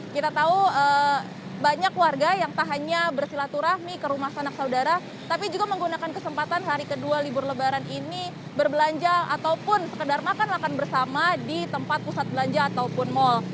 kita tahu banyak warga yang tak hanya bersilaturahmi ke rumah sanak saudara tapi juga menggunakan kesempatan hari kedua libur lebaran ini berbelanja ataupun sekedar makan makan bersama di tempat pusat belanja ataupun mal